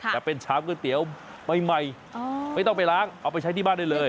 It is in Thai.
แต่เป็นชามก๋วยเตี๋ยวใหม่ไม่ต้องไปล้างเอาไปใช้ที่บ้านได้เลย